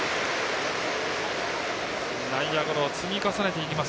内野ゴロを積み重ねていきます